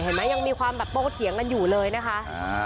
เห็นไหมยังมีความแบบโป้งเถียงกันอยู่เลยนะคะอ่า